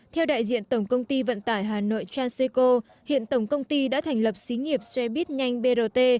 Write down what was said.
theo đại diện tổng công ty vận tải hà nội transico hiện tổng công ty đã thành lập xí nghiệp xe buýt nhanh brt